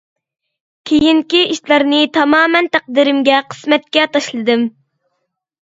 كېيىنكى ئىشلارنى تامامەن تەقدىرىمگە، قىسمەتكە تاشلىدىم.